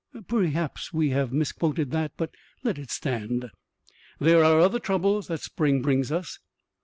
(Perhaps we have misquoted that, but let it stand.) There are other troubles that spring brings us.